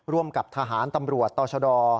ร่วมกับทหารตำรวจต่อชด